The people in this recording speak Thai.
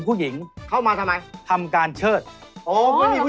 ผู้แสดงก็ถืออยู่สองมืออยู่แล้วนะครับ